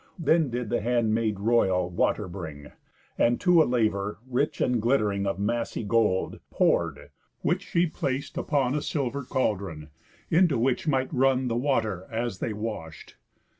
Then did the handmaid royal water bring, And to a laver, rich and glittering, Of massy gold, pour'd; which she plac'd upon A silver caldron, into which might run The water as they wash'd.